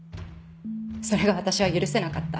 それが私は許せなかった。